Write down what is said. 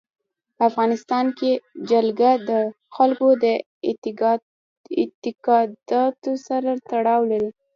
په افغانستان کې جلګه د خلکو د اعتقاداتو سره تړاو لري.